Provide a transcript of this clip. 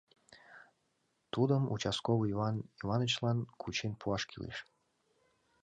Тудым участковый Иван Иванычлан кучен пуаш кӱлеш.